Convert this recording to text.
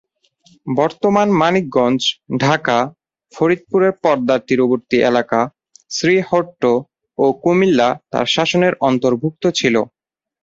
বর্তমান মানিকগঞ্জ, ঢাকা, ফরিদপুরের পদ্মার তীরবর্তী এলাকা, শ্রীহট্ট ও কুমিল্লা তার শাসনের অন্তর্ভুক্ত ছিল।